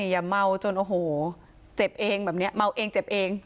อย่าเมาจนโอ้โหเจ็บเองแบบนี้เมาเองเจ็บเอง